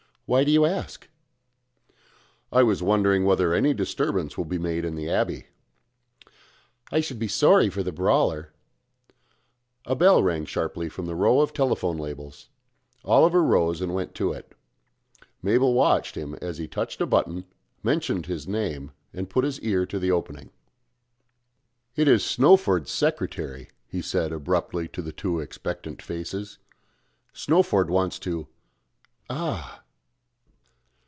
Why do you ask?" "I was wondering whether any disturbance will be made in the abbey." "I should be sorry for the brawler." A bell rang sharply from the row of telephone labels. Oliver rose and went to it. Mabel watched him as he touched a button mentioned his name, and put his ear to the opening. "It is Snowford's secretary," he said abruptly to the two expectant faces. "Snowford wants to ah!"